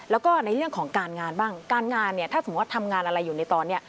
แล้วก็ในเรื่องของการงานบ้างการงานเนี่ยถ้าสมมุติทำงานอะไรอยู่ในตอนนี้